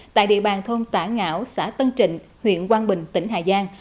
tại địa bàn thôn tả ngảo xã tân trịnh huyện quang bình tỉnh hà giang